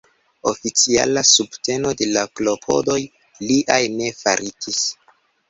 Oficiala subteno de klopodoj liaj ne faritis.